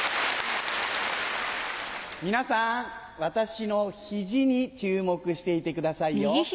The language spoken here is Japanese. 皆さん私の肘に注目していてくださいよ。